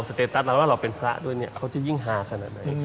เตตัสเราว่าเราเป็นพระด้วยเนี่ยเขาจะยิ่งฮาขนาดไหน